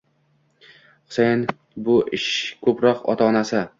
Husayin bu ish ko'proq ota-onasi